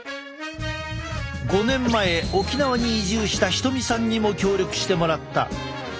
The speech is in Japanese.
５年前沖縄に移住した瞳さんにも協力してもらった。